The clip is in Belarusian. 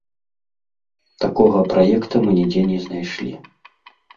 Такога праекта мы нідзе не знайшлі.